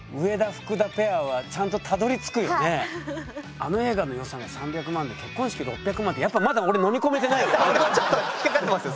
あの映画の予算が３００万で結婚式６００万ってやっぱ俺もちょっと引っ掛かってますよ